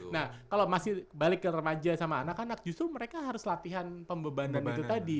nah kalau masih balik ke remaja sama anak anak justru mereka harus latihan pembebanan itu tadi